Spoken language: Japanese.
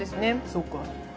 そうか。